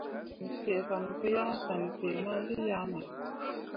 Me fee fan pǝ yaŋ fan fee ma lii ah maroua.